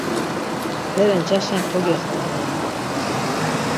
Bere ncaşen kogextu doren.